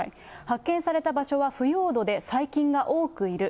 発見された場所は腐葉土で、細菌が多くいる。